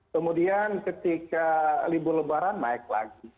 kemudian ketika libur lebaran naik lagi